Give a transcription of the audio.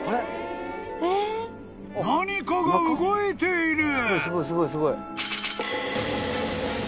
［何かが動いている！］